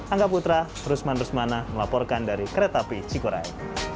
angga putra rusman rusmana melaporkan dari kereta api cikurai